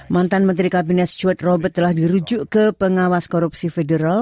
mantan menteri kabinet cuek robert telah dirujuk ke pengawas korupsi federal